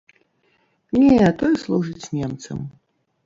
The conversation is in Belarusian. Не, той служыць немцам.